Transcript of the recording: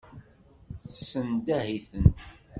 Tessendah-iten.